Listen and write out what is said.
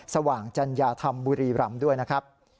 สว่างจัญญาธรรมบุรีรำด้วยนะครับ